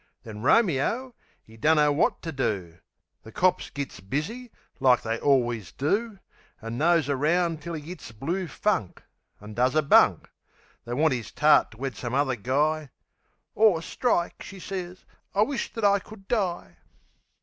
Then Romeo, 'e dunno wot to do. The cops gits busy, like they allwiz do, An' nose around until 'e gits blue funk An' does a bunk. They wants 'is tart to wed some other guy. "Ah, strike!" she sez. "I wish that I could die!"